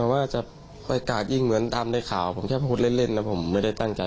ว่าจะประกาศยิ่งเหมือนตามได้ข่าวผมแค่โพสต์เล่นเล่นแล้วผมไม่ได้ตั้งใจ